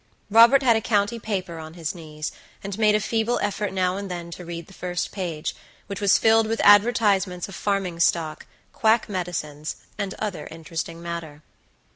Robert had a county paper on his knees, and made a feeble effort now and then to read the first page, which was filled with advertisements of farming stock, quack medicines, and other interesting matter.